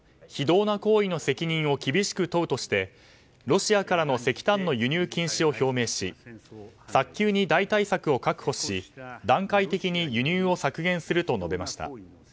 非道な行為の責任を厳しく問うとしてロシアからの石炭の輸入禁止を表明し早急に代替策を確保し段階的に輸入を削減すると述べました。